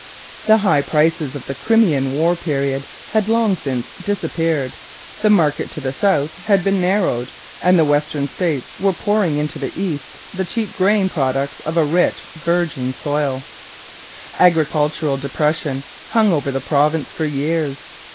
The high prices of the Crimean War period had long since disappeared, the market to the south had been narrowed, and the Western States were pouring into the East the cheap grain products of a rich virgin soil. Agricultural depression hung over the province for years.